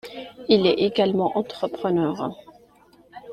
Il est également entrepreneur.